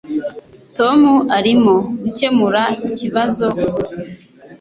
Tom arimo gukemura ikibazo ubu